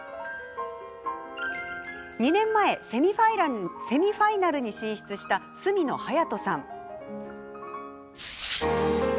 ２年前セミファイナルに進出した角野隼斗さん。